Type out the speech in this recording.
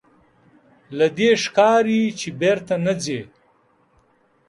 له دې ښکاري چې بېرته نه ځې.